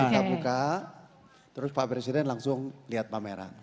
kita buka terus pak presiden langsung lihat pameran